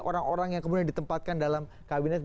orang orang yang kemudian ditempatkan dalam kabinet